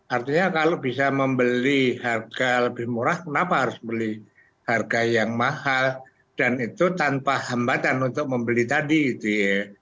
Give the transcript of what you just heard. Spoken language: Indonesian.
artinya kalau bisa membeli harga lebih murah kenapa harus membeli harga yang mahal dan itu tanpa hambatan untuk membeli tadi gitu ya